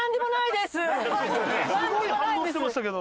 すごい反応してましたけど。